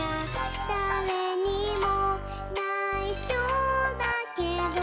「だれにもないしょだけど」